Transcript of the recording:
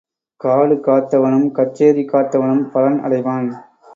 காடு காத்தவனும் கச்சேரி காத்தவனும் பலன் அடைவான்.